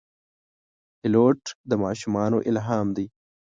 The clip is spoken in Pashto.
پیلوټ د ماشومانو الهام دی.